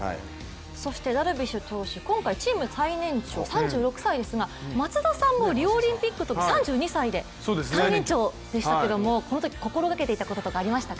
ダルビッシュ投手、今回チーム最年長ですが松田さんもリオオリンピックのとき３２歳で最年長でしたけどこのとき心がけていたこととかありましたか？